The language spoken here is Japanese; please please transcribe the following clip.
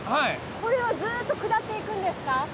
これはずっと下っていくんですか？